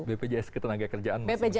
bpjs ke tenaga kerjaan masih menunggu